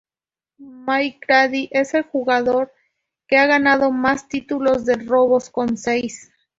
Mcgrady es el jugador que ha ganado más títulos de robos, con seis.